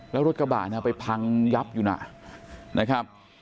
แล้วรถกระบะไปพังยับอยู่นะ